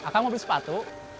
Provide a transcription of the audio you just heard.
kamu beli sepatu